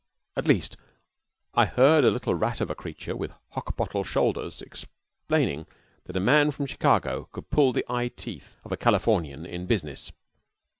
At least, I heard a little rat of a creature with hock bottle shoulders explaining that a man from Chicago could pull the eye teeth of a Californian in business.